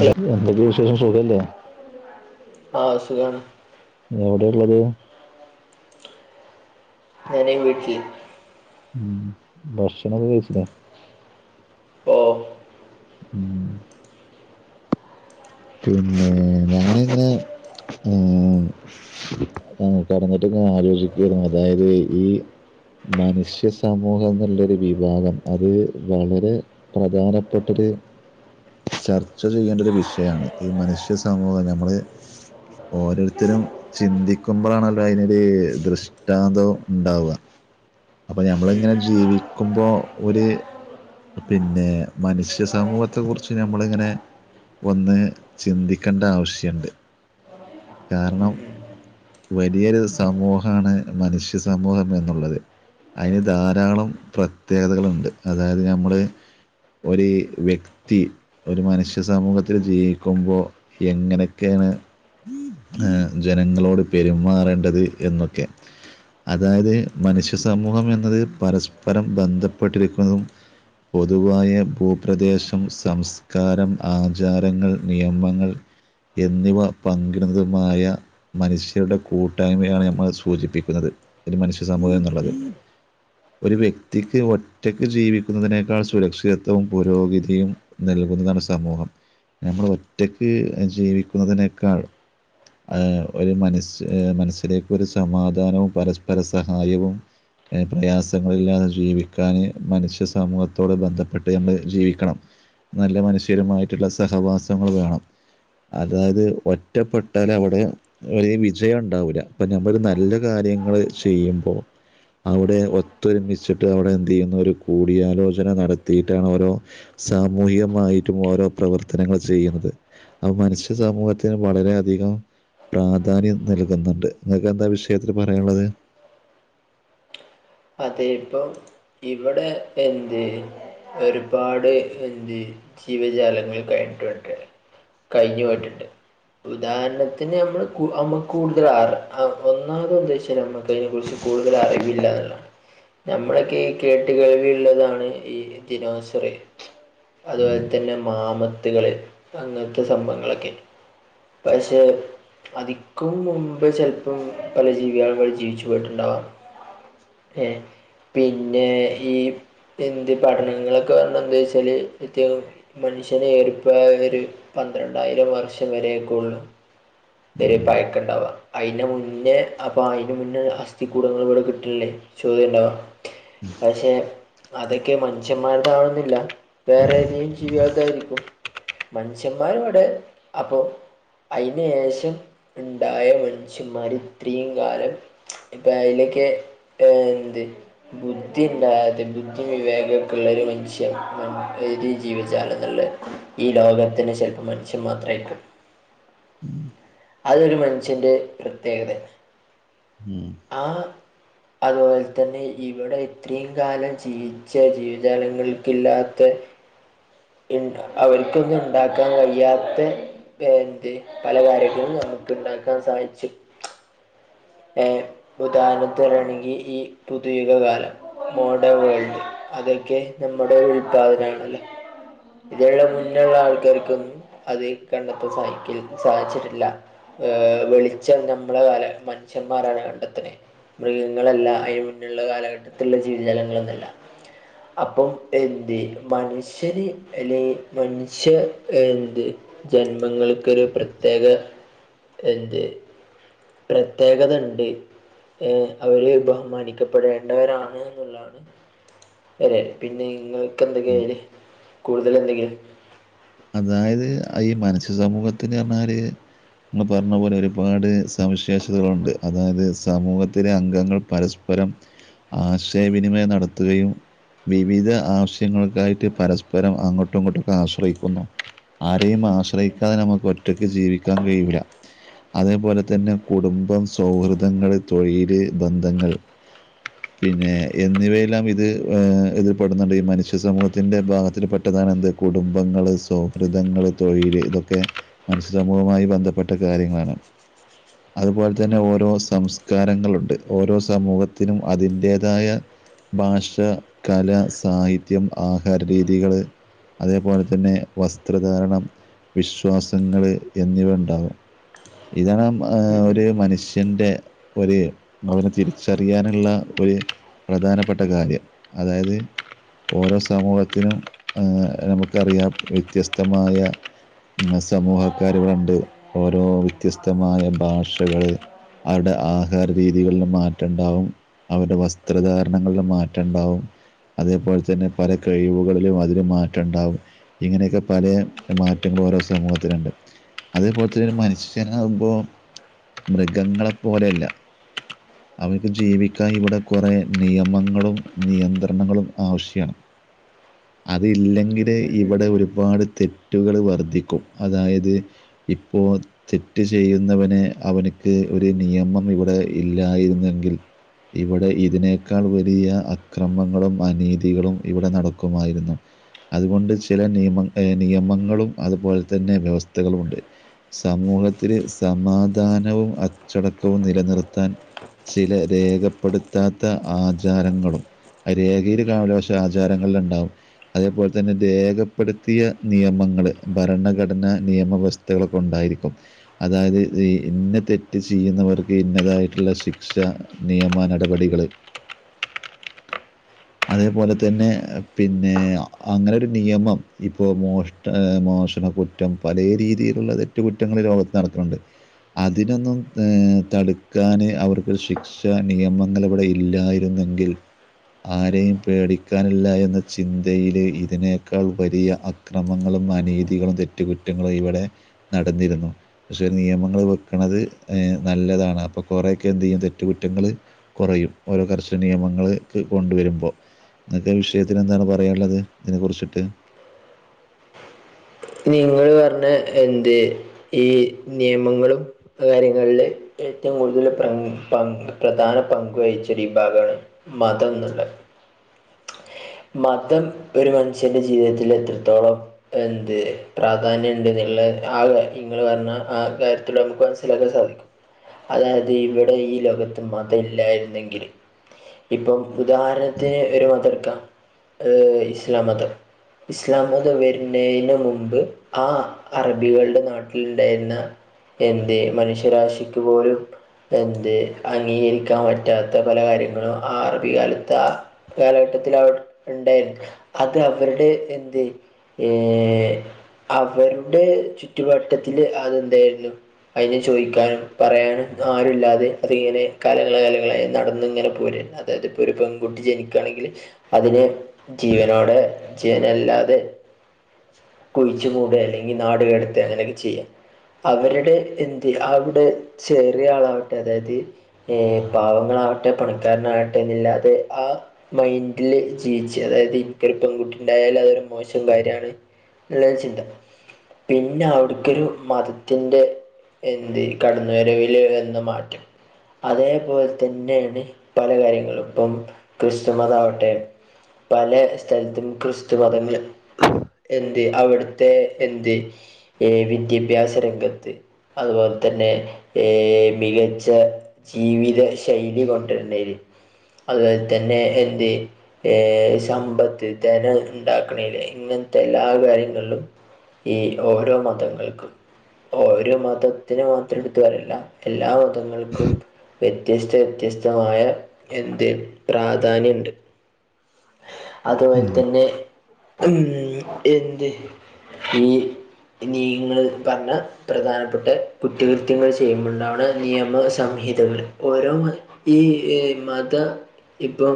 Hello എന്തൊക്കെ വിശേഷം സുഖല്ലേ? ആഹ് സുഖാണ്. എവിടെള്ളത്? ഞാന് വീട്ടിൽ ഉം. ഭക്ഷണൊക്കെ കയ്ച്ചിലേ? ഓഹ് ഉം പിന്നേ വേറെന്താ? ഏഹ് ആഹ്, കെടന്നിട്ട്ങ്ങനെ ആലോചിക്കാണ്, അതായത് ഈ മനുഷ്യ സമൂഹം എന്നുള്ളൊരാ വിഭാഗം അത് വളരെ പ്രധാനപ്പെട്ടൊര് ചർച്ച ചെയ്യേണ്ട ഒരു വിഷ് യാണ്. ഈ മനുഷ്യ സമൂഹം ഞമ്മള് ഓരോരുത്തരും ചിന്തിക്കുമ്പളാണല്ലോ അയ്നൊര് ദൃഷ്ടാന്തം ഇണ്ടാവാ അപ്പൊ ഉം ഞമ്മള്ങ്ങനെ ജീവിക്കുമ്പോ ഒര് പിന്നേ, മനുഷ്യ സമൂഹത്തെ കുറിച്ച് നമ്മള്ങ്ങനെ ഒന്ന് ചിന്തിക്കണ്ട ആവശ്യണ്ട്. ഉം ഉം വലിയൊരു സമൂഹാണ് മനുഷ്യ സമൂഹം എന്നുള്ളത്. അയ്ന് ധാരാളം പ്രത്യേകതകള്ണ്ട്. അതായത് നമ്മള് ഒര് വ്യക്തി ഒര് മനുഷ്യ സമൂഹത്തില് ജീവിക്കുമ്പൊ, എങ്ങനൊക്കേണ് ഏഹ് ജനങ്ങളോട് പെരുമാറേണ്ടത് എന്നൊക്കെ. അതായത് മനുഷ്യ സമൂഹം എന്നത് പരസ്പരം ബന്ധപ്പെട്ടിരിക്കുന്നതും പൊതുവായ ഭൂപ്രദേശം സംസ്കാരം ആചാരങ്ങൾ നിയമങ്ങൾ എന്നിവ പങ്കിടുന്നതുമായ മനുഷ്യരുടെ കൂട്ടായ്മയാണ് നമ്മൾ സൂചിപ്പിക്കുന്നത് ഒരു മനുഷ്യ സമൂഹം എന്നുള്ളത് ഒരു വ്യക്തിക്ക് ഒറ്റക്ക് ജീവിക്കുന്നതിനേക്കാൾ സുരക്ഷിതത്വവും പുരോഗതിയും നൽകുന്നതാണ് സമൂഹം നമ്മൾ ഒറ്റക്ക് ജീവിക്കുന്നതിനേക്കാൾ ആഹ് ഒരു മനസ് മനസ്സിലേക്ക് ഒരു സമാധാനവും പരസ്പര സഹായവും പ്രയാസങ്ങളില്ലാതെ ജീവിക്കാന് മനുഷ്യ സമൂഹത്തോട് ബന്ധപ്പെട്ട് ഞമ്മൾ ജീവിക്കണം നല്ല മനുഷ്യരുമായിട്ടുള്ള സഹവാസങ്ങൾ വേണം അതായത് ഒറ്റപ്പെടൽ അവിടെ ഒല വിജയം ഉണ്ടാവൂില്ല അപ്പൊ നഞമ്മ ഒരു നല്ല കാര്യങ്ങള്ൾ ചെയ്യുമ്പോൾ അവിടെ ഒത്തൊരുമിച്ചിട്ട് അവിടെ എന്ത് ചെയ്യുന്ന ഒരു കൂടിയാലോചന നടത്തിയിട്ടാണ് ഓരോ സാമൂഹികമായിട്ടും ഓരോ പ്രവർത്തനങ്ങൾ ചെയ്യുന്നത് അ മനുഷ്യ സാമൂഹ ത്തിന് വളര അധികം പ്രാധാന്യം നൽകുന്നുണ്ട് നിങ്ങൾക്ക് എന്താ വിഷയത്തിൽ പറയാനുള്ളത് അതെ ഇപ്പോം ഇവിടെ എന്തേ ഒരുപാട് എന്ത് ജീവജാലങ്ങൾ കഴിഞ്ഞിട്ടുണ്ട് കഴിഞ്ഞു പോയിട്ടുണ്ട് ഉദാഹരണത്തിന് നമ്മള്മ്മുക്ക് കൂടുതൽ ഒന്നാമതോ എന്ത വെച്ചാൽ നമ്മക്ക് അതിനെ കുറിച്ച് കൂടുതൽ അറിവില്ല എന്നല്ല നഞമ്മളൊക്കെ ഈ കേട്ട കഴിവിയുള്ളതാണ് ഈ ദിനോസറ അതുപോലെ തന്നെ മാമത്തുകൾ അങ്ങനത്തെ സംഭവങ്ങളൊക്കെ പസ അധിക്കും മുുമ്പ് ചിലപ്പം പല ജീവികളുകൾ ജീവിച്ചു പോയിട്ടുണ്ടാവാാം ഏ പിന്നെ ഈ ഹിന്ദി പഠനങ്ങളൊക്കെ പറഞ്ഞ എന്താ വെച്ചാൽ വത്യാം മനുഷ്യനെ ഏറിപ്പായ ഒരു പന്ത്രണ്ടായിരം വർഷം വരെയൊക്കെയ ഉള്ളൂ വറ പയക്ക ഉണ്ടാവാുക അതിന് മുന്നേ അപ്പൊ അതിന് മുന്നേ അസ്ഥിക്കൂടങ്ങൾ ഇവിടെ കിട്ടണില്ലേ ചോദണ്ടാവോ പക്ഷേ അതൊക്കെ മനുഷ്യന്മാർതാവുന്നില്ല വേറെ ഏതും ജീവികൽതായിരിക്കും മനുഷ്യന്മാരും അവിടെ അപ്പൊ അയിന് ഏശം ഉണ്ടായ മനഷ്യന്മാരി ഇത്രയും കാലം ഇപ്പൊ അതിലൊക്ക്െ ന്ത് ബുദ്ധി ഉണ്ട ബുദ്ധി വിവേകക്കുള്ള ഒരു മനുഷ്യൻ ജീവിച്ചാല എന്നല്ല ഈ ലോകത്തിന് ചിലപ്പം മനുഷ്യ മാത്രമായിരിക്കും അതൊരു മനുഷ്യൻന്റെ പ്രത്യേകത ഉം ആഹ് അതുപോലെ തന്നെ ഇവിടെ ഇത്രയും കാലം ജീവിച്ച ജീവജാലങ്ങൾക്കില്ലാത്ത ഉ അവർക്കൊന്നും ഉണ്ടാക്കാൻ കഴിയാത്ത എന്ത് പല കാര്യങ്ങള നമുക്ക് ഉണ്ടാക്കാൻ സാധിച്ചു ഏ ഉദഹാനത്തിരണെങ്കി ഈ പുതുയിക കാലം മോഡേൺ വേൾഡ് അതൊക്കെ നമ്മുടെ ഉൽപാദന യിട്ടല്ലേ ഇതിനുള്ള മുന്നുള്ള ആൾക്കാർക്കൊന്നും അത് കണ്ടെത്ത സഹക്ക സാധിച്ചിട്ടില്ല ഹ് വെളിച്ച നമ്മളെ കാല പുരുച്ഛന്മാരാണ് കണ്ടെത്തെ മൃഗങ്ങളല്ല അതിനന് മുന്നുള്ള കാലഘട്ടത്തിലുള്ള ജീവിജാലങ്ങളന്നല്ല അപ്പം എന്ത് മനുഷ്യര് അല്ലെ മനുഷ്യ എന്ത് ജന്മങ്ങൾക്കൊരു പ്രത്യേക എന്ത് പ്രത് പ്രത്യേകത ഉണ്ട് ഏ അവര് ബഹുമാനിക്കപ്പെടേണ്ടവരാണ് എന്നുള്ളതാണ് അതെ പിന്നെ നിങ്ങക്ക് എന്തൊക്കെയ കൂടുതൽ എന്തെങ്കിലും അതായത് ഈ മനസ്സ്യ സമൂഹത്തിനു പറഞ്ഞാല് ങ്ങൾ പറഞ്ഞ പോലെ ഒരുപാട് സവിശേഷതകളുണ്ട് അതായത് സമൂഹത്തിലെ അംഗങ്ങൾ പര പരം ആശയവിനിമയം നടത്തുകയും വിവിധ ആവശ്യങ്ങൾക്കായിട്ട് പരസ്പരം അങ്ങോട്ടും ഇങ്ങോട്ടൊക്കെ ആശ്രയിക്കും ക്കുന്നു ആരെയും ആശ്രയിക്കാതെ നമുക്ക് ഒറ്റക്ക് ജീവിക്കാൻ കഴിയൂല്ല അതേപോലെ തന്നെ കുടുംബം, സൗഹൃദങ്ങൾ, തൊഴില്, ബന്ധങ്ങൾ. [inaudible] പിന്നെ എന്നിവയെല്ലാം ഇത് ഏ ഇത് പെടുന്നുണ്ട് ഈ മനുഷ്യ സമൂഹത്തിൻ്റെ ഭാഗത്തിന് പെട്ടതാണ് എന്ത്. കുടുംബങ്ങള്. സൗഹൃദങ്ങള്, തൊഴില്, ഇതൊക്കെ മനുഷ്യ സമൂഹവുമായി ബന്ധപ്പെട്ട കാര്യങ്ങളാണ്. അത്പോൽ തന്നെ ഓരോ സംസ്കാരങ്ങളുണ്ട് ഓരോ സമൂഹത്തിനും അതിന്റേതായ. ഭാഷ കല സാഹിത്യം ആഹാര രീതികള് അതേപോലെ തന്നെ. വസ്ത്രധാരണം, വിശ്വാസങ്ങൾ, എന്നിവ ഇണ്ടാകും. ഇതാണ് ആ ഒര് മനുഷ്യന്റെ. ഒര് അവനെ തിരിച്ചറിയാനുള്ള ഒര്. പ്രധാനപ്പെട്ട കാര്യം അതായത്. ഓരോ സമൂഹത്തിനും ഏഹ് നമുക്കറിയാം വ്യത്യസ്തമായ. ആ സമൂഹക്കാരു പണ്ട് ഓരോ വ്യത്യസ്തമായ ഭാഷകള്. അരുടെ ആഹാര രീതികളിൽ മാറ്റണ്ടാവും. അവരുടെ വസ്ത്രധാരണങ്ങളിൽ മാറ്റം ഇണ്ടാവും. അതേപോലെ തന്നെ പല കഴിവുകളിലും അതിൽ മാറ്റംണ്ടാവും. ഇങ്ങനെയൊക്കെ പലെ മാറ്റങ്ങള് ഓരോ സമൂഹത്തിനുണ്ട്. അതേപോലെത്തന്നെ ഒരു മനുഷ്യനാവുമ്പോ മൃഗങ്ങളെ പോലെയല്ല. അവൻക്ക് ജീവിക്കാൻ ഇവിടെ കൊറേ നിയമങ്ങളും നിയന്ത്രണങ്ങളും ആവ്ശ്യാണ്. അതില്ലെങ്കില് ഇവിടെ ഒരു. പാട് തെറ്റുകള് വർദ്ധിക്കും അതായത് ഇപ്പോൾ. തെറ്റ് ചെയ്യുന്നവന് അവൻക്ക് ഒരു നിയമം ഇവിടെ ഇല്ലായിരുന്നെങ്കിൽ. ഇവിടെ ഇതിനേക്കാൾ വലിയ അക്രമങ്ങളും അനീതികളും ഇവിടെ നടക്കുമായിരുന്നു. അതുകൊണ്ട് ചെല നിയമം ഹ് നിയമങ്ങളും അതുപോലെ തന്നെ വ്യവസ്ഥകളും ഉണ്ട്. സമൂഹത്തില് സമാധാനവും അച്ചടക്കവും നിലനിർത്താൻ. ചില രേഖപ്പെടുത്താത്ത ആജാരങ്ങളും. ആ രേഖയിൽ കാണൂല പക്ഷെ ആജാരങ്ങളിൽ ഇണ്ടാവും അതേപോൽ തന്നെ രേഖ. പ്പെടുത്തിയ നിയമങ്ങള് ഭരണഘടനാ നിയമ വ്യവസ്ഥകളൊക്കെ ഉണ്ടായിരിക്കും. അതായത് ഹ് ഇന്ന തെറ്റ് ചെയ്യുന്നവർക്ക് ഇന്നതായിട്ടുള്ള ശിക്ഷ. നിയമനടപടികള്. അതേ പോലെ തന്നെ പിന്നെ ഹ് അങ്ങനെ ഒരു നിയമം. ഇപ്പോ മോഷ്ട ഹ് മോഷണ കുറ്റം പല രീതിയിലുള്ള തെറ്റ് കുറ്റങ്ങളും ഈ ലോകത്ത് നടക്ക്ണ് ണ്ട്. അതിനൊന്നും ഹ് തടുക്കാന് അവർക്കൊര് ശിക് ഷ, നിയമങ്ങൾ ഇവിടെ ഇല്ലായിരുന്നെങ്കിൽ. ആരെയും പേടിക്കാനില്ല എന്ന ചിന്തയില് ഇതിനേക്കാൾ. വലിയ അക്രമങ്ങളും, അനീതികളും, തെറ്റുകുറ്റങ്ങളും, ഇവിടെ നടന്നിരുന്നു. പക്ഷെ നിയമങ്ങള് വെക്ക്ണത് നല്ലതാണ് അപ്പൊ കൊറേയൊക്കെ എന്തയ്യും തെറ്റുകുറ്റങ്ങള്. കൊറയും ഓരോ കർശന നിയമങ്ങൾക്ക് കൊണ്ട് വരുമ്പോ ഇങ്ങക്ക് വി. ഇദ്ദേഹത്തിന് എന്താണ് പറയാനുള്ളത് ഇതിനെക്കുറിച്ചിട്ട്. [inaudible] നിങ്ങള് പറഞ്ഞ എന്ത് ഈ നിയമങ്ങളും. കാര്യങ്ങളില് ഏറ്റവും കൂടുതൽ പ്ര പങ് പ്രധാന പങ്ക് വഹിച്ച ഒരു വിഭാഗാണ്. മതംന്നുള്ള മതം ഒരു മനുഷ്യന്റെ ജീവിതത്തിൽ എത്രത്തോളം എന്ത് പ്രാധാന്യണ്ട്ന്നുള്ള ആ നിങ്ങള് പറഞ്ഞ ആ കാര്യത്തിൽ നമുക്ക സ്സിലാക്കാൻ സാധിക്കും അതായത് ഇവിടെ ഈ ലോകത്ത് മതം ഇല്ലായിരുന്നെങ്കില് ഇപ്പം ഉദാഹരണത്തിന് ഒരു മതട്ക്ക ഏഹ് ഇസ്ലാമതം ഇസ്ലാമതം വര്ന്നയ്ന്റെ മുമ്പ് ആ അറബികൾടെ നാട്ടിൽണ്ടായിരുന്ന എന്തേ മനുഷ്യരാശിക്ക്പോലും എന്ത് അംഗീകരിക്കാൻ പറ്റാത്ത പലകാര്യങ്ങളും ആ അറബികാലത്ത കാലഘട്ടത്തില് അവ ഉണ്ടായിര്ന്ന് അത് അവരുടെ എന്ത് ഏഹ് അവരുടെ ചുറ്റുവട്ടത്തില് അതെന്തായിരുന്നു അതിനെ ചോദിക്കാനും പറയാനും ആരുല്ലാതെ അതിങ്ങനെ കാലങ്ങളായി കാലങ്ങളായി നടന്നിങ്ങനെ പോര ആയിരുന്ന് അതായത്പ്പോരു പെൺകുട്ടി ജനിക്കാണെങ്കിൽ അതിനെ ജീവനോടെ ജീവനല്ലാതെ കുഴിച്ചുമൂടെ അല്ലെങ്കി നാടുകടത്തെ അങ്ങനെയൊക്കെ ചെയ്യ അവരുടെ എന്ത് അവ്വ്ടെ ചെറിയആളാവട്ടെ അതായത് ഏഹ് പാവങ്ങളാവട്ടെ പണക്കാരനാവട്ടെ എന്നില്ലാതെ ആ മൈൻഡില് ജീവിച്ച് അതായത് ഇക്കൊരു പെൺകുട്ട ണ്ടായാല് അതൊരു മോശംകാര്യാണ് ള്ളരുചിന്ത പിന്നെ അവ്ട്ക്കൊരു മതത്തിൻ്റെ എന്ത് കടന്നുവരവിൽ എന്ന് മാറ്റും അതേപോൽതന്നെണ് പല കാര്യങ്ങളും ഇപ്പം ക്രിസ്തുമതആവട്ടെ പലേ സ്ഥൽത്തും ക്രിസ്തു മതങ്ങൾ എന്ത് അവിടുത്തെ എന്ത് ഏഹ് വിദ്യാഭ്യാസ രംഗത്ത് അതുപോൽതന്നെ ഏ മികച്ച ജീവിത ശൈലി കൊണ്ടരുണ്ടെയിനി അതുപോലെ തന്നെ എന്ത് ഏഹ് സമ്പത്ത് ധന ഉണ്ടാക്കണേല് ഇങ്ങൻത്തെ എല്ലാ കാര്യങ്ങളിലും ഈ ഓരോ മതങ്ങൾക്കും ഓരോ മതത്തിന് മാത്രം എടുത്തുപറയല്ല എല്ലാ മതങ്ങൾക്കും വ്യത്യസ്ത വ്യത്യസ്തമായ എന്ത് പ്രാധാന്യണ്ട് അതുപോൽതന്നെ ഉം എന്ത് ഈ നീങ്ങള് പറഞ്ഞാ പ്രധാനപ്പെട്ട കുറ്റകൃത്യങ്ങൾ ചെയ്യുമ്പോണ്ടാവാണ നിയമ സംഹിതകൾ ഓരോ മ ഈമത ഇപ്പൊ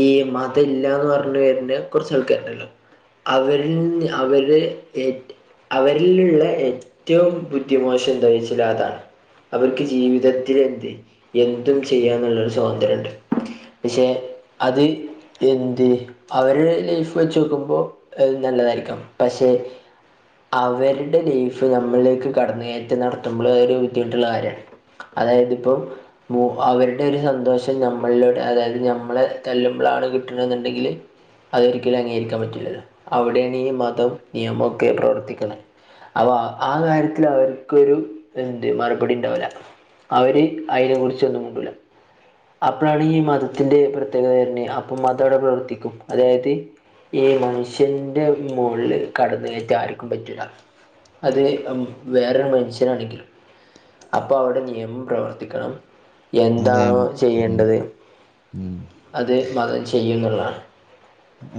ഈ മതഇല്ലാന്ന് പർഞ്‌വര്ന കൊർച്ച് ആൾക്കാര്ണ്ടല്ലോ അവരിൻ അവരെ ഏ അവരിലുള്ള എറ്റവും ബുദ്ധിമോശം എന്താവെച്ചാ അതാണ് അവർക്ക് ജീവിതത്തിലെന്ത് എന്തും ചെയ്യാന്നുള്ളൊരു സ്വാതന്ത്ര്യണ്ട് പക്ഷെ അത് എന്ത് അവരുടെ ലൈഫ് വെച്ച് നോക്കുമ്പോ അത് നല്ലതായിരിക്കാം പക്ഷെ അവരുടെ ലൈഫ് നമ്മളിലേക്ക് കടന്നുകയറ്റം നടത്തുമ്പോൾ അതൊരു ബുദ്ധിമുട്ടുള്ള കാര്യാണ് അതായത് ഇപ്പോ മു അവരുടെ ഒരു സന്തോഷം നമ്മളിലൂടെ അതായത് നമ്മളെ തല്ലുമ്പോളാണെങ്കി കിട്ടണെന്നുണ്ടെങ്കിൽ അതൊരിക്കലും അംഗീകരിക്കാൻ പറ്റില്ലല്ലോ അവിടെയാണ് ഈ മതം നിയമൊക്കെ പ്രവർത്തിക്ക്ണ് അവ ആ കാര്യത്തില് അവർക്കൊരു എന്ത് മറുപടിണ്ടാവുല അവര് അയിനെ കുറിച്ചൊന്നുമുണ്ടൂല അപ്പളാണ് ഈ മതത്തിന്റെ പ്രത്യേകത വരനെ അപ്പം മതവിടെ പ്രവർത്തിക്കും അതായത് ഈ മനുഷ്യന്റെ മോളില് കടന്ന് കയറ്റം ആർക്കും പറ്റൂല്ല അത് വേറൊരു മനുഷ്യനാണെങ്കിലും അപ്പൊ അവിടെ നിയമം പ്രവർത്തിക്കണം അതെ എന്താണോ ഉം. ചെയ്യേണ്ടത് ഉം. അത് മതം ചെയ്യും ന്നുള്ളാണ്.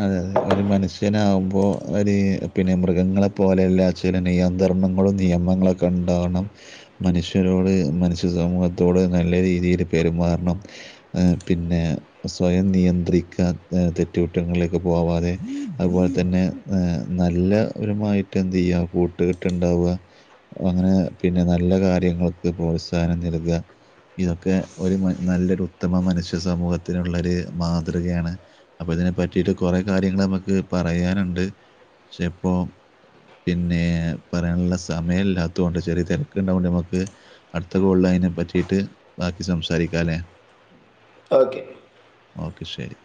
അതെ അതെ ഒരു മനുഷ്യനാകുമ്പോ ഒര് പിന്നെ മൃഗങ്ങളെ പോലെയല്ലാ ചില നിയന്തർണങ്ങളും നിയമങ്ങളൊക്കെ ണ്ടാവണം. മനുഷ്യരോട് മനുഷ്യ സമൂഹത്തോട് നല്ല രീതിയിൽ പെരുമാറണം. ഹേ പിന്നെ സ്വയം നിയന്ത്രിക്കാൻ ഏഹ് തെ റ്റ് കുറ്റങ്ങളിലേക്ക് പോവാതെ അതുപോലെ തന്നെ ഏഹ് നല്ല ഒരുമാ ട്ട് എന്ത് യ്യാ കൂട്ട് കെട്ട്ണ്ടാവ അങ്ങനെ പിന്നെ നല്ല കാര്യങ്ങൾക്ക് പ്രോത്സാഹനം നൽക. ഇതൊക്കെ ഒരു മ നല്ലൊരു ഉത്തമ മനുഷ്യ സമൂഹത്തിനുള്ളൊരു മാതൃകയാണ്. അപ്പ ഇതിനെ പറ്റിയിട്ട് കെറേ കാര്യങ്ങൾ നമുക്ക് പറയാനുണ്ട് പക്ഷെ ഇപ്പോ പിന്നെ പറയാനുള്ള സമയം ഇല്ലാത്തോണ്ട് ചെറിയ തെരക്ക്ണ്ടാവോണ്ട് ന്നമക്ക് അട്ത്ത കോൾ അയ്നെ പറ്റിട്ട് ബാക്കി സംസാരിക്കാല്ലേ? ഓക്കെ ഓക്കെ ശരി